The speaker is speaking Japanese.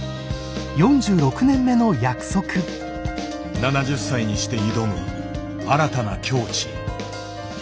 ７０歳にして挑む新たな境地。